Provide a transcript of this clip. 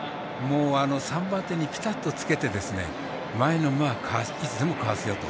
３番手に、ぴたっとつけて前の馬をいつでもかわすよと。